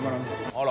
あら。